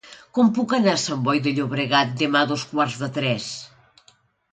Com puc anar a Sant Boi de Llobregat demà a dos quarts de tres?